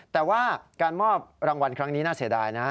แต่ว่าการมอบรางวัลครั้งนี้น่าเสียดายนะ